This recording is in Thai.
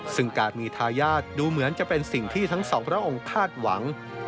ซึ่งการมีทายาทดูเหมือนจะเป็นสิ่งที่ทั้งสองพระองค์คาดหวัง